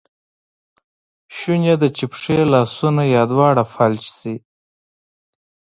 شونی ده چې پښې، لاسونه یا دواړه فلج شي.